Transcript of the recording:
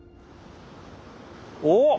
おっ！